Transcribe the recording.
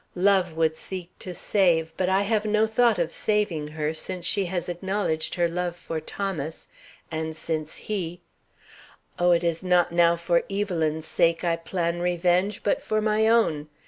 Love would seek to save, but I have no thought of saving her, since she has acknowledged her love for Thomas, and since he Oh, it is not now for Evelyn's sake I plan revenge, but for my own!